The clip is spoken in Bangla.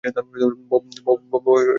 বব, তুমি ঠিক বলেছ।